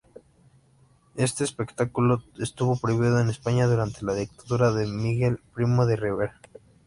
Este espectáculo estuvo prohibido en España durante la dictadura de Miguel Primo de Rivera.